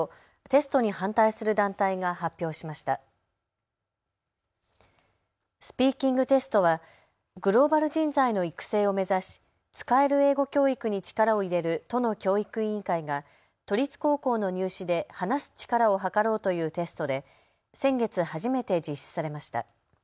スピーキングテストはグローバル人材の育成を目指し使える英語教育に力を入れる都の教育委員会が都立高校の入試で話す力をはかろうというテストで先月初めて実施されました。